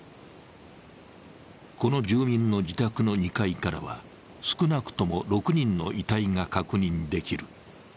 この住民の自宅の２階からは、少なくとも６人の遺体が確認できる。